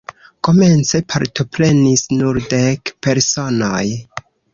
Komence partoprenis nur dek personoj.